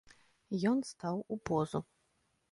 Ён стаў у позу.